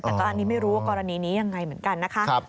แต่ก็อันนี้ไม่รู้ว่ากรณีนี้ยังไงเหมือนกันนะคะ